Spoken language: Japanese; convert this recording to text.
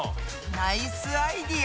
ナイスアイデア！